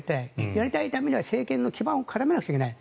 やるためには政権基盤を固めないといけない。